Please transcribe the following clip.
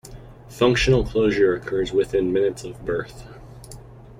Functional closure occurs within minutes of birth.